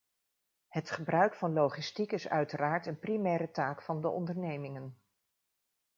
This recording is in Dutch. Het gebruik van logistiek is uiteraard een primaire taak van de ondernemingen.